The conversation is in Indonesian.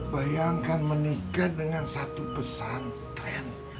bayangkan menikah dengan satu pesantren